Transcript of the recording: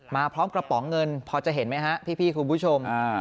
พร้อมกระป๋องเงินพอจะเห็นไหมฮะพี่คุณผู้ชม